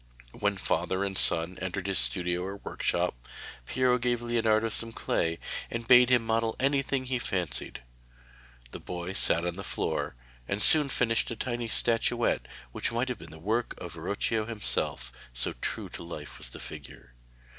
When father and son entered his studio or workshop, Piero gave Leonardo some clay, and bade him model anything he fancied. The boy sat down on the floor, and soon finished a tiny statuette which might have been the work of Verrocchio himself, so true to life was the figure.